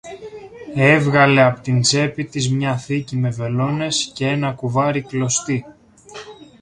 Έβγαλε από την τσέπη της μια θήκη με βελόνες κι ένα κουβάρι κλωστή